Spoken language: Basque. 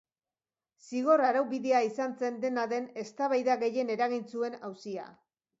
Zigor-araubidea izan zen, dena den, eztabaida gehien eragin zuen auzia.